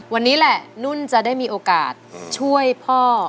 วันนี้แหละนุ่นจะได้มีโอกาสช่วยพ่อ